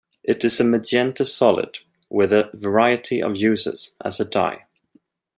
It is a magenta solid with a variety of uses as a dye.